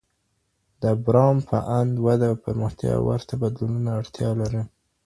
د براون په اند وده او پرمختيا ورته بدلونونو ته اړتيا لري.